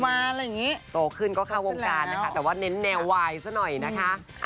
อะไรอย่างนี้โตขึ้นก็เข้าวงการนะคะแต่ว่าเน้นแนววายซะหน่อยนะคะ